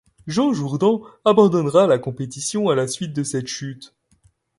Jean Jourden abandonnera la compétition à la suite de cette chute.